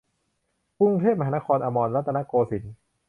กรุงเทพมหานคร อมรรัตนโกสินทร์